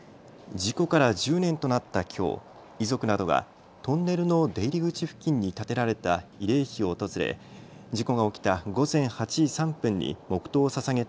事故から１０年となったきょう、遺族などがトンネルの出入り口付近に建てられた慰霊碑を訪れ事故が起きた午前８時３分に黙とうをささげた